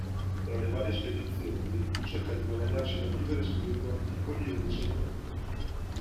Tra le varie spedizioni, cerca di guadagnarsi da vivere scrivendo articoli e insegnando.